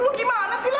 lu gimana sih lu